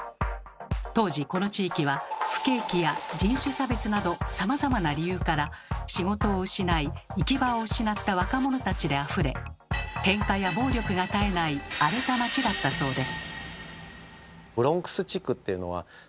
当時この地域は不景気や人種差別などさまざまな理由から仕事を失い行き場を失った若者たちであふれケンカや暴力が絶えない荒れた街だったそうです。